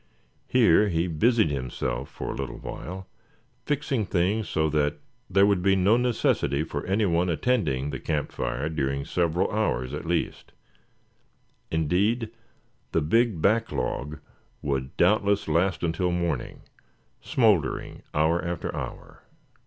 Here he busied himself for a little while, fixing things so that there would be no necessity for any one attending the camp fire during several hours at least; indeed, the big back log would doubtless last until morning, smouldering hour after hour.